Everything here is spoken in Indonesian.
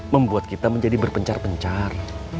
membuat kita menjadi berpencar pencar